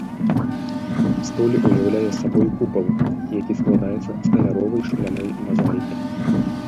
Столь уяўляе сабой купал, які складаецца з каляровай шкляной мазаікі.